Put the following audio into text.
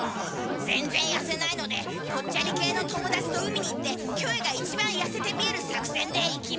全然痩せないのでぽっちゃり系の友達と海に行ってキョエが一番痩せて見える作戦でいきます。